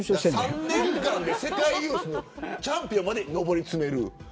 ３年間で世界ユースのチャンピオンまで上り詰める。